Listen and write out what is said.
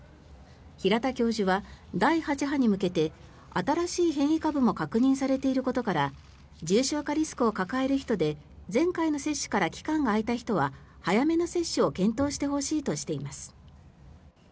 平田教授は第８波に向けて新しい変異株も確認されていることから重症化リスクを抱える人で前回の接種から期間が空いた人は早めの接種を検討してほしいとしています。